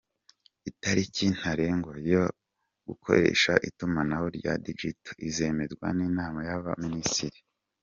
Itariki ntarengwa yo gukoresha itumanaho rya Digitali izemezwa n’Inama y’Abaminisitiri